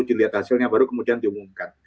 dilihat hasilnya baru kemudian diumumkan